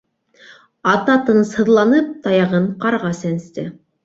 Ата, тынысһыҙланып, таяғын ҡарға сәнсте: